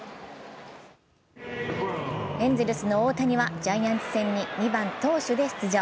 エンゼルスの大谷はジャイアンツ戦に２番・投手で出場。